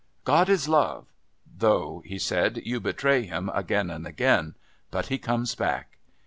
"God is love, though," he said. "You betray Him again and again, but He comes back."